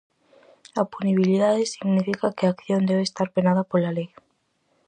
A punibilidade significa que a acción debe estar penada pola lei.